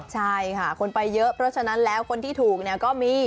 ใช่ค่ะคนไปเยอะเพราะฉะนั้นแล้วคนที่ถูกเนี่ยก็มี